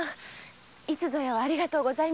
いつぞやはありがとうございました。